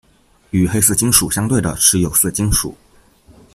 与黑色金属相对的是有色金属。